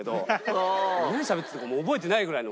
何しゃべってたかも覚えてないぐらいの。